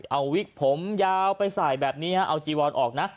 เอาวิกผมยาวไปใส่แบบนี้เอาจีวอนออกนะ